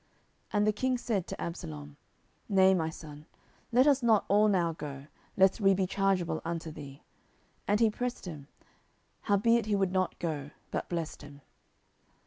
10:013:025 And the king said to Absalom, Nay, my son, let us not all now go, lest we be chargeable unto thee. And he pressed him: howbeit he would not go, but blessed him.